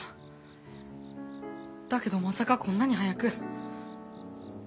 だけどまさかこんなに早く。